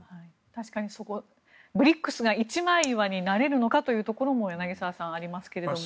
確かにＢＲＩＣＳが一枚岩になれるのかというところも柳澤さん、ありますけれども。